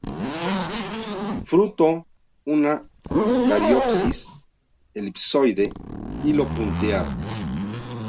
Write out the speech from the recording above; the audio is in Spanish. Fruto una cariopsis elipsoide; hilo punteado.